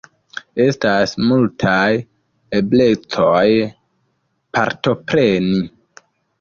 Estas multaj eblecoj partopreni.